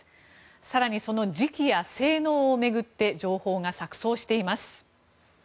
更に、その時期や性能を巡って情報が錯綜しています。